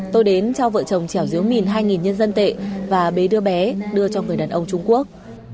tôi đến cho vợ chồng trèo diếu mìn hai nhân dân tệ và bế đưa bé đưa cho người đàn ông trung quốc